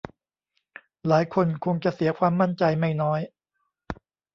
หลายคนคงจะเสียความมั่นใจไม่น้อย